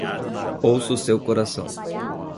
Ouça o seu coração.